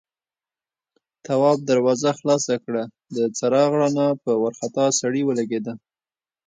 تواب دروازه خلاصه کړه، د څراغ رڼا په وارخطا سړي ولګېده.